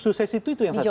sukses itu yang saya tahu